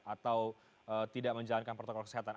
atau tidak menjalankan protokol kesehatan